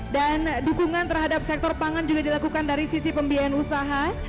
dan dukungan terhadap sektor pangan juga dilakukan dari sisi pembiayaan usaha